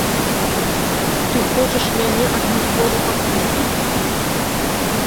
Ты хочаш мяне адмыслова пакрыўдзіць?